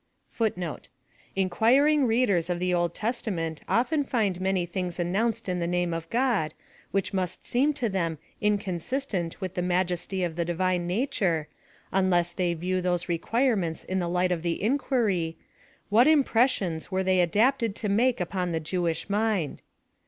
*• Enquiring readers of the Old Testament often find many things announced in the name of God, which must seem to them inconsistent with the majesty of the Divine nature, unless they view those requirements in the light of the inquirj', «« What im pressions where they adapted to make upon the Jewish mind